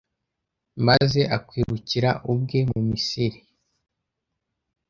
maze akwikurira ubwe mu misiri,